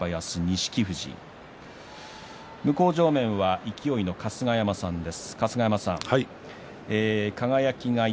向正面は勢の春日山さんです。